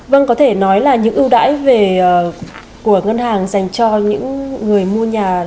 vâng có thể nói là những ưu đãi về của ngân hàng dành cho những người mua nhà